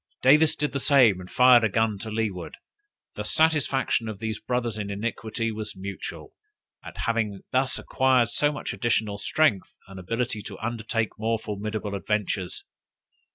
Davis did the same, and fired a gun to leeward. The satisfaction of these brothers in iniquity was mutual, at having thus acquired so much additional strength and ability to undertake more formidable adventures.